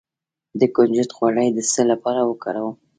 د کنجد غوړي د څه لپاره وکاروم؟